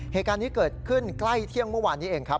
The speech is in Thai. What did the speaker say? เหตุการณ์นี้เกิดขึ้นใกล้เที่ยงเมื่อวานนี้เองครับ